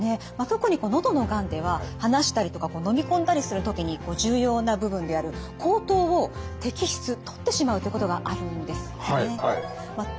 特に喉のがんでは話したりとか飲み込んだりする時に重要な部分である喉頭を摘出取ってしまうということがあるんですよね。